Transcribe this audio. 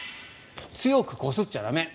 強くこすっちゃ駄目。